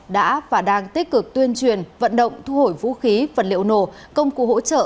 đã và đang tích cực tuyên truyền vận động thu hổi vũ khí vật liệu nổ công cụ hỗ trợ